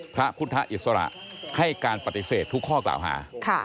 พระพุทธอิสระให้การปฏิเสธทุกข้อกล่าวหา